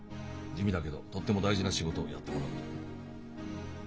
地味だけどとっても大事な仕事をやってもらうことになる。